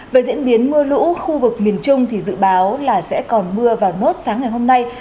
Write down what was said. về diễn biến mưa lũ khu vực miền trung thì dự báo là sẽ còn mưa vào nốt sáng ngày hôm nay